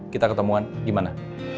kita ketemuan gimana